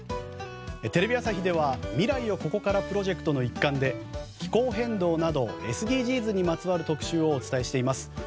テレビ朝日では未来をここからプロジェクトの一環で気候変動などＳＤＧｓにまつわる特集をお伝えしています。